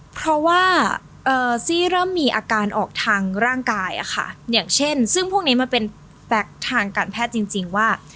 เพราะว่าซี่เริ่มมีอาการออกทางร่างกายอย่างเช่นซึ่งพวกนี้มันเป็นแป๊กทางการแพทย์จริงว่า